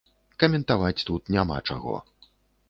Каментаваць тут няма, чаго.